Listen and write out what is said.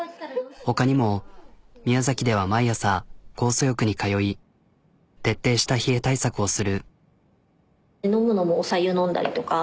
他にも宮崎では毎朝酵素浴に通い徹底した冷え対策をする。